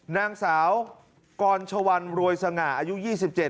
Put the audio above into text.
นางสาวกรชวรรษรวยสง่าอายุยี่สิบเจ็ด